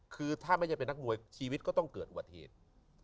คือถ้าไม่ใช่เป็นนักมวยชีวิตก็ต้องเกิดอุบัติเหตุ